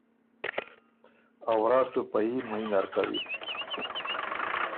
ا ورا سُو پئ يي مئ نر کوی۔